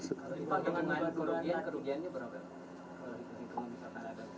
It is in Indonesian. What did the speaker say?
kalau dipakai dengan manfaat kerugian kerugiannya berapa